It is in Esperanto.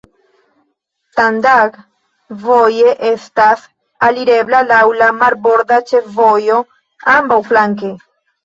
Tandag voje estas alirebla laŭ la marborda ĉefvojo ambaŭflanke.